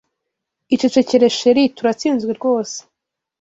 Icecekere Cherie Turatsinzwe rwose